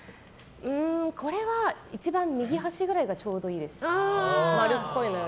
これは、一番右端くらいがちょうどいいです。